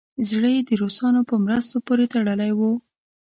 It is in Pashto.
زړه یې د روسانو په مرستو پورې تړلی وو.